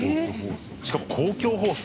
しかも公共放送。